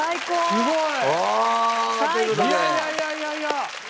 すごい。